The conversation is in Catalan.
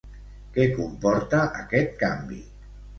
Què comporta aquest canvi?